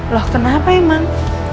loh kenapa emang